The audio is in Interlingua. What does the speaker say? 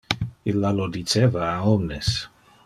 Illa lo diceva a omnes.